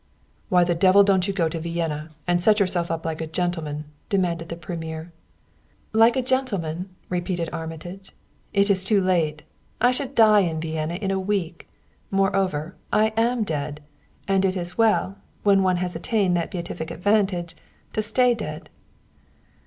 "Why the devil don't you go to Vienna and set yourself up like a gentleman?" demanded the premier. "Like a gentleman?" repeated Armitage. "It is too late. I should die in Vienna in a week. Moreover, I am dead, and it is well, when one has attained that beatific advantage, to stay dead."